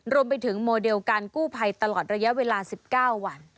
รวมไปถึงโมเดลการกู้ภัยตลอดระยะเวลา๑๙วัน